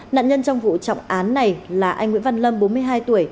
nạn nhân trong vụ trọng án này là anh nguyễn văn lâm bốn mươi hai tuổi